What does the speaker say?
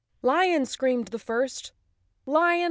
"Lion!" screamed the first. "Lion!